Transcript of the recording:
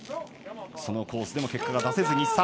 そのコースでも結果が出せずに。